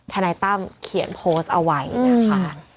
นายตั้มเขียนโพสต์เอาไว้นะคะ